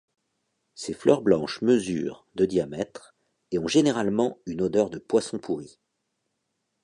Ses fleurs blanches mesurent de diamètre et ont généralement une odeur de poisson pourri.